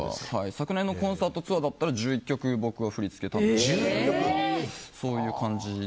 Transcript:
昨年のコンサートツアーだったら１１曲、僕が振り付け担当とかそういう感じで。